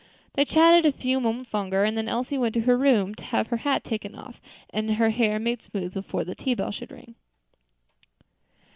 They chatted a few moments longer, and then Elsie went to her room to have her hat taken off, and her hair made smooth before the tea bell should ring.